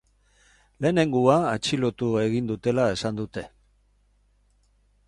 Lehenengoa atxilotu egin dutela esan dute.